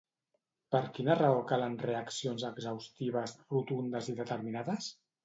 Per quina raó calen reaccions exhaustives, rotundes i determinades?